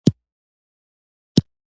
له خلکو سره مستقیمه اړیکه لري.